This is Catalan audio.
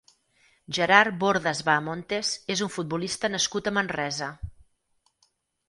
Gerard Bordas Bahamontes és un futbolista nascut a Manresa.